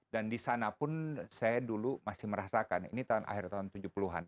dan di sana pun saya dulu masih merasakan ini tahun akhir tahun seribu sembilan ratus tujuh puluh an